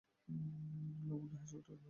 লাবণ্য হেসে উঠে বললে, আশ্চর্য!